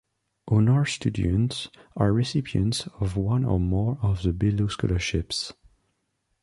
Honors Students are recipients of one or more of the below scholarships.